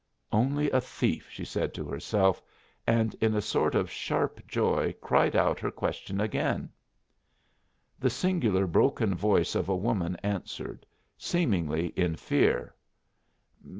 "Only a thief," she said to herself, and in a sort of sharp joy cried out her question again. The singular broken voice of a woman answered, seemingly in fear.